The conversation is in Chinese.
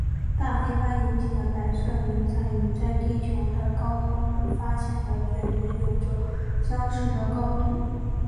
大黑斑引起的白色云彩与在地球的高空中发现的卷云有着相似的高度。